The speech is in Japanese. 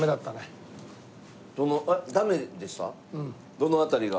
どの辺りが？